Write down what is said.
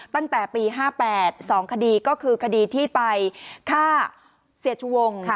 ตั้งแต่ปี๕๘๒คดีก็คือคดีที่ไปฆ่าเสียชูวง